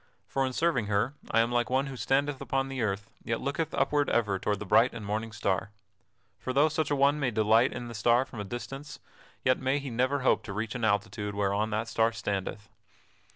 For in serving her I am like one who standeth upon the earth, yet looketh upward ever toward the bright and morning star. For though such an one may delight in that star from a distance, yet may he never hope to reach an altitude whereon that star standeth."